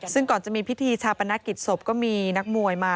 ซึ่งก่อนจะมีพิธีชาปนกิจศพก็มีนักมวยมา